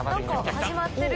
・始まってる！